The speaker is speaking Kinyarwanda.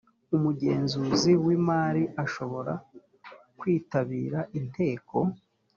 umugenzuzi w imari ashobora kwitabira inteko